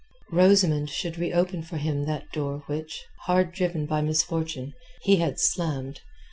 Rosamund should reopen for him that door which, hard driven by misfortune, he had slammed.